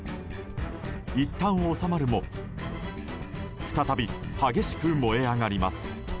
いったん収まるも再び激しく燃え上がります。